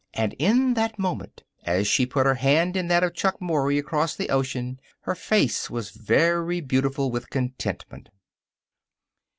And in that moment, as she put her hand in that of Chuck Mory, across the ocean, her face was very beautiful with contentment.